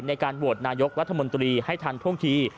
ในการโหวตนายกรัฐมนตรีให้ทันท่วงที